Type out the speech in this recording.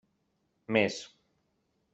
Més.